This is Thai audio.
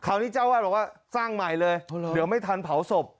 เจ้านี้เจ้าวาดบอกว่าสร้างใหม่เลยเดี๋ยวไม่ทันเผาศพ